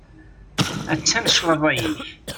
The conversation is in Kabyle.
Attan claḍa-ik.